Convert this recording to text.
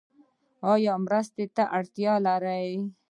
ایا مرستې ته اړتیا لرئ؟